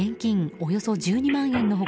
およそ１２万円の他